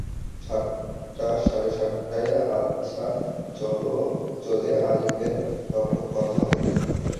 সাতটা-সাড়ে সাতটায় আচ্ছা চলে আসবেন, তখন কথা হবে।